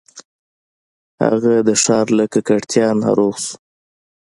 هغه د ښار له ککړتیا ناروغ شو.